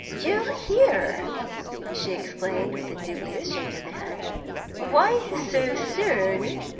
'You here?' she exclaimed, with a dubious shake of the head. 'Why so soon?'